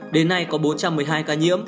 đến nay có bốn trăm một mươi hai ca